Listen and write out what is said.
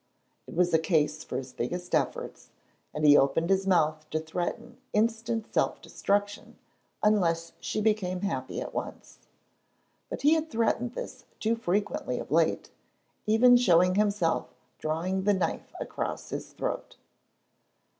It was a case for his biggest efforts, and he opened his mouth to threaten instant self destruction unless she became happy at once. But he had threatened this too frequently of late, even shown himself drawing the knife across his throat.